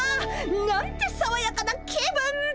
なんてさわやかな気分。